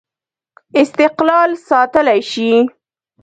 استقلال ساتلای شي.